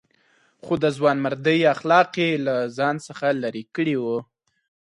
خو د ځوانمردۍ اخلاق یې له ځان څخه لرې کړي وو.